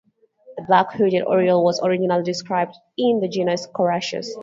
The black-hooded oriole was originally described in the genus "Coracias".